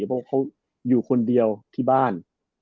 เพราะเขาอยู่คนเดียวที่บ้าน